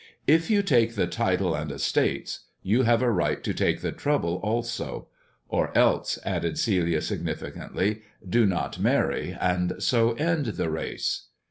If you take the title and estates, you have a right to take the trouble also; or else," added Celia significantly, "do not marry, and so end the race."